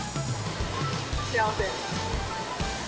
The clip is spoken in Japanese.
幸せ。